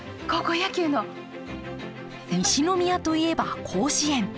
西宮といえば甲子園。